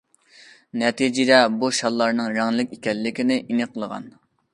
نەتىجىدە بۇ شاللارنىڭ رەڭلىك ئىكەنلىكىنى ئېنىقلىغان.